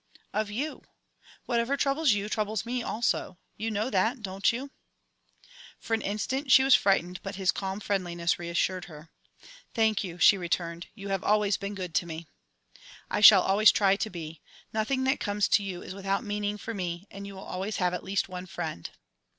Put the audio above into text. "Of you. Whatever troubles you troubles me, also. You know that, don't you?" For an instant she was frightened, but his calm friendliness reassured her. "Thank you," she returned, "you have always been good to me." "I shall always try to be. Nothing that comes to you is without meaning for me, and you will always have at least one friend."